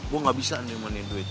gue enggak bisa menyimpan duit